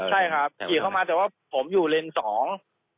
ใช่ครับขี่เข้ามาแต่ว่าผมอยู่เลนส์สอง